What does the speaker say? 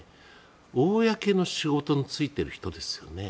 公の仕事に就いている人ですよね。